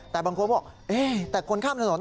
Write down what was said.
แต่บางคนบอกแต่คนข้ามถนน